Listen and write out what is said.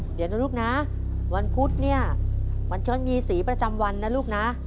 เดี๋ยวนะลูกนะวันพุธเนี่ยมันชนมีสีประจำวันนะลูกนะ